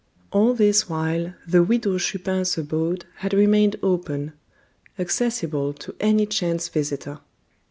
All this while, the Widow Chupin's abode had remained open, accessible to any chance visitor.